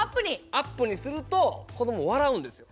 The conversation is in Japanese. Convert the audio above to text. アップにすると子ども笑うんですよ。